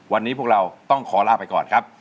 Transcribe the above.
วันนี้พวกเราต้องขอลาไปก่อนครับ